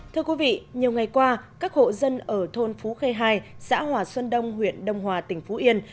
thưa quý vị nhiều ngày qua các hộ dân ở thôn phú khê hai xã hòa xuân đông huyện đông hòa tỉnh phú yên